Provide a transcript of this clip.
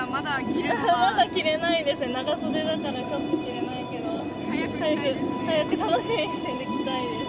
まだ着れないですね、長袖だからちょっと着れないけど、早く着たいです。